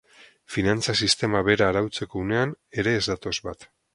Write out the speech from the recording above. Finantza sistema bera arautzeko unean ere ez datoz bat.